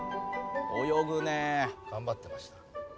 泳ぐねえ。頑張ってました。